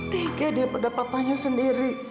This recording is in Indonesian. tiga dia pada papahnya sendiri